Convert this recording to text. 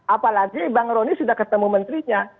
apalagi bang rony sudah ketemu menterinya